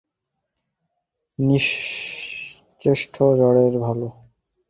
নিশ্চেষ্ট জড়ের ন্যায় থাকা অপেক্ষা ইহা ঢের ভাল।